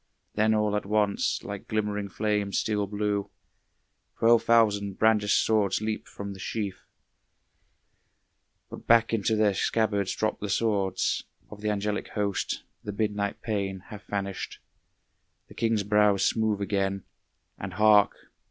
Then all at once, like glimmering flames steel blue, Twelve thousand brandished swords leap from the sheath. But back into their scabbards drop the swords Of the angelic host; the midnight pain Hath vanished, the king's brow is smooth again; And hark!